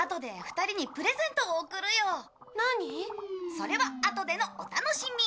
それはあとでのお楽しみ！